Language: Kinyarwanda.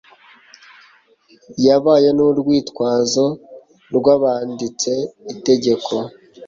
yabaye n'urwitwazo rw'abanditse itegeko